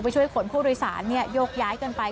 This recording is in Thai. ช่วยขนผู้โดยสารโยกย้ายกันไป